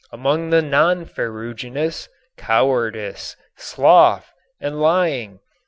Among the non ferruginous, cowardice, sloth and lying.